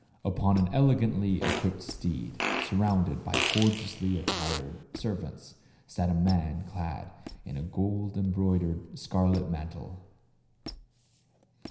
Upon an elegantly equipped steed, surrounded by gorgeously attired 96 THE CAB AVAN. servants sat a man clad in a gold embroidered, scarlet mantle.